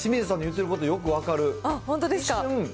清水さんの言ってることよく分か本当ですか。